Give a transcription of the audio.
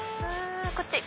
こっち！